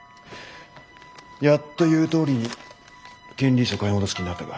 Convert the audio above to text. やっと言うとおりに権利書買い戻す気になったか。